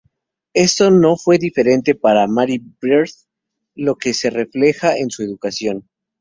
Esto no fue diferente para Mary Byrd, lo que se refleja en su educación.